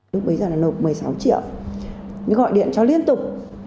lúc bấy giờ là nộp một mươi sáu triệu nhưng gọi điện cho liên tục